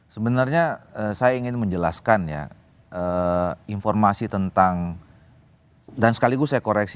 sebenarnya saya ingin menjelaskan ya informasi tentang dan sekaligus saya koreksi